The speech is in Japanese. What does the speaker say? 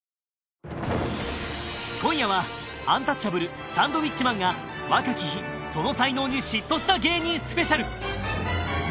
今夜はアンタッチャブルサンドウィッチマンが若き日その才能に嫉妬した芸人スペシャル